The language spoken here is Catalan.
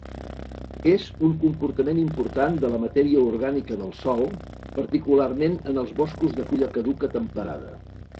És un component important de la matèria orgànica del sòl, particularment en els boscos de fulla caduca temperada.